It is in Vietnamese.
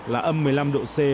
là âm một mươi năm độ c